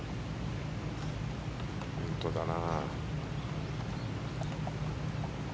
本当だな。